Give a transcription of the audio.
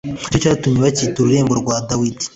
nicyocyatumye bacyita ururembo rwa dawidi .